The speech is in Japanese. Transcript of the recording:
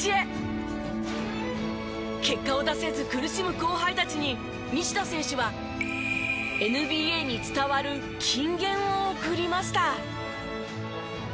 結果を出せず苦しむ後輩たちに西田選手はＮＢＡに伝わる金言を贈りました。